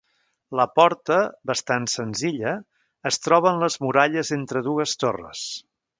La porta, bastant senzilla, es troba en les muralles entre dues torres.